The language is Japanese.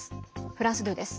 フランス２です。